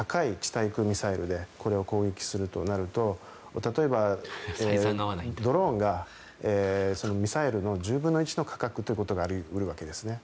対空ミサイルでこれを攻撃するとなると例えばドローンがミサイルの１０分の１の価格ということがあり得るわけですね。